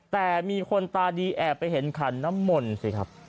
แต่มีคนตาดีแอบไปเห็นขันน้ำมนต์สิครับ